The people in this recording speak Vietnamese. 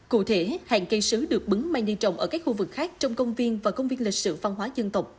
cụ thể hàng cây sứ được bứng mang đi trồng ở các khu vực khác trong công viên và công viên lịch sử văn hóa dân tộc